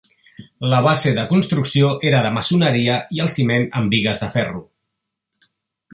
La base de construcció era de maçoneria i el ciment amb bigues de ferro.